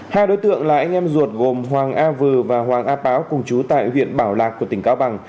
hai đối tượng là anh em ruột gồm hoàng a vừ và hoàng a báo cùng chú tại huyện bảo lạc của tỉnh cao bằng